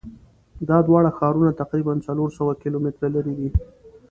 دا دواړه ښارونه تقریبآ څلور سوه کیلومتره لری دي.